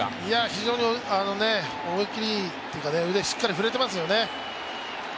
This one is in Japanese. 非常に思い切りいいというか、腕がしっかり振れていますよね。